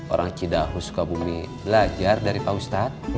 orang cidahu sukabumi belajar dari pak ustadz